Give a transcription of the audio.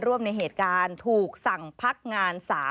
ร่วมในเหตุการณ์ถูกสั่งพักงาน๓